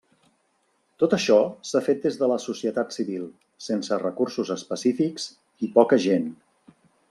Tot això s'ha fet des de la societat civil, sense recursos específics i poca gent.